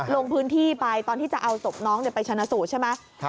ลงพื้นที่ไปตอนที่จะเอาศพน้องไปชนะสูตรใช่ไหม